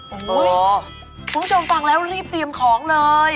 โอ้โหคุณผู้ชมฟังแล้วรีบเตรียมของเลย